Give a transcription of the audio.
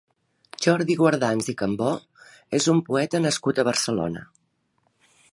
Jordi Guardans i Cambó és un poeta nascut a Barcelona.